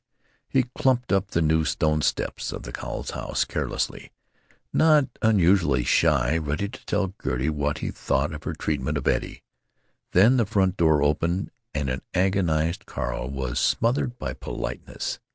He clumped up the new stone steps of the Cowles house carelessly, not unusually shy, ready to tell Gertie what he thought of her treatment of Eddie. Then the front door opened and an agonized Carl was smothered in politeness.